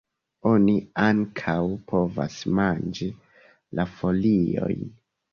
Oni ankaŭ povas manĝi la foliojn.